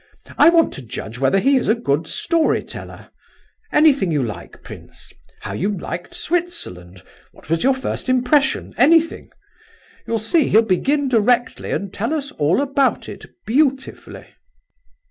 I want to judge whether he is a good story teller; anything you like, prince—how you liked Switzerland, what was your first impression, anything. You'll see, he'll begin directly and tell us all about it beautifully."